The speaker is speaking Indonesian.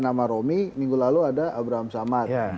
nama romi minggu lalu ada abraham samad